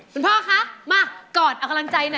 คุณพ่อคะมากอดอาการังใจหน่อย